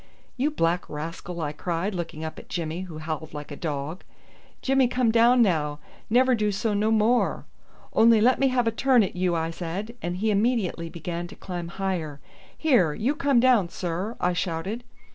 "You black rascal!" I cried, looking up at Jimmy, who howled like a dog. "Jimmy come down now! Never do so no more." "Only let me have a turn at you," I said, and he immediately began to climb higher. "Here, you come down, sir," I shouted.